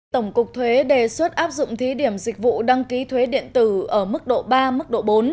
tổng cục thuế đề xuất áp dụng thí điểm dịch vụ đăng ký thuế điện tử ở mức độ ba mức độ bốn